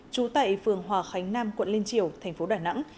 trú tại phường hòa khánh nam quận liên triều thành phố đà nẵng